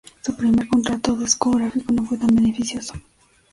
Su primer contrato discográfico no fue tan beneficioso.